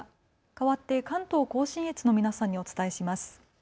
かわって関東甲信越の皆さんにお伝えします。